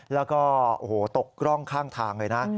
แล้วก็โอ้โหตกร่องข้างทางเลยนะ